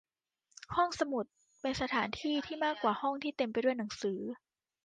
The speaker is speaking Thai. ห้องสมุดเป็นสถานที่ที่มากกว่าห้องที่เต็มไปด้วยหนังสือ